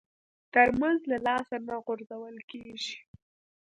ترموز له لاسه نه غورځول کېږي.